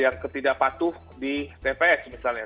yang ketidak patuh di tps misalnya